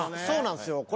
そうなんすよ